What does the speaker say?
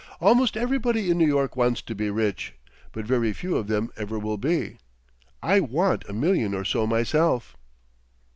"Almost everybody in New York wants to be rich, but very few of them ever will be. I want a million or so myself."